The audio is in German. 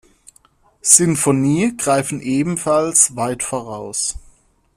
Sinfonie greifen ebenfalls weit voraus.